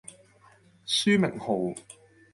書名號